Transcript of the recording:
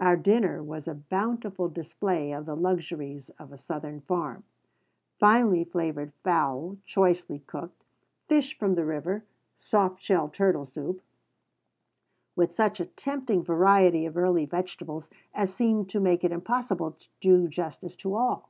Our dinner was a bountiful display of the luxuries of a Southern farm, finely flavored fowl choicely cooked, fish from the river, soft shell turtle soup, with such a tempting variety of early vegetables as seemed to make it impossible to do justice to all.